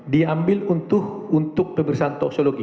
diambil untuk pemeriksaan toksologi